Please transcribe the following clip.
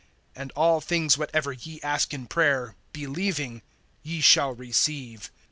(22)And all things whatever ye ask in prayer, believing, ye shall receive.